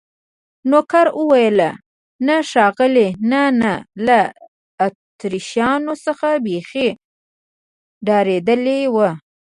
نوکر وویل: نه ښاغلي، نه، نه، له اتریشیانو څخه بیخي ډارېدلی و.